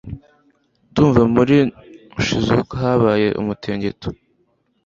Ndumva muri Shizuoka habaye umutingito